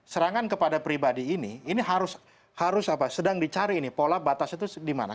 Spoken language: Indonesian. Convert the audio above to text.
serangan kepada pribadi ini ini harus sedang dicari ini pola batas itu di mana